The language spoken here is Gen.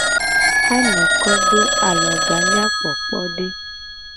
Anoko do aloga nyakpokpode.